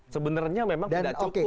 sebenarnya memang tidak cukup